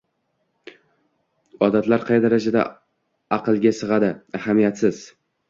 odatlar qay darajada aqlga sig‘adi – ahamiyatsiz.